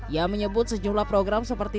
ia menyebut sejumlah program seperti